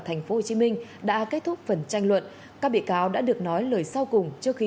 thành phố hồ chí minh đã kết thúc phần tranh luận các bị cáo đã được nói lời sau cùng trước khi